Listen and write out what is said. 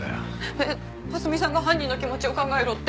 えっ蓮見さんが犯人の気持ちを考えろって。